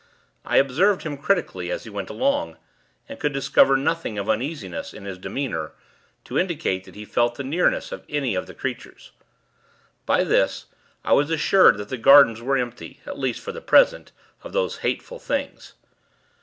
I observed him, critically, as he went along, and could discover nothing of uneasiness, in his demeanor, to indicate that he felt the nearness of any of the creatures. By this, I was assured that the gardens were empty, at least for the present, of those hateful Things.